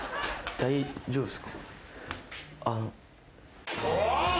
大丈夫です。